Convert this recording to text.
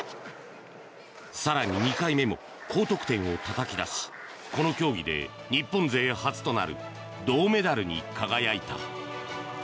更に２回目も高得点をたたき出しこの競技で日本勢初となる銅メダルに輝いた。